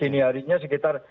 dini harinya sekitar